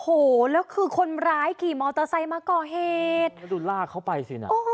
โอ้โหแล้วคือคนร้ายขี่มอเตอร์ไซค์มาก่อเหตุแล้วดูลากเขาไปสิน่ะ